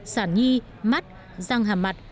sản nhi mắt răng hàm mặt